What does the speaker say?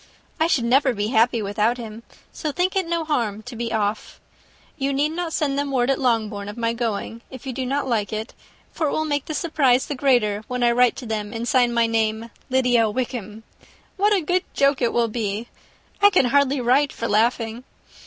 I should never be happy without him, so think it no harm to be off. You need not send them word at Longbourn of my going, if you do not like it, for it will make the surprise the greater when I write to them, and sign my name Lydia Wickham. What a good joke it will be! I can hardly write for laughing.